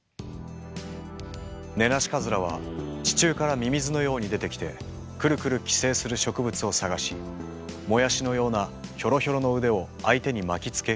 ネナシカズラは地中からミミズのように出てきてクルクル寄生する植物を探しもやしのようなヒョロヒョロの腕を相手に巻きつけ寄生します。